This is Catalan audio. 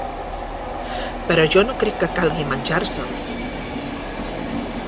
Però jo no crec que calgui menjar-se'ls.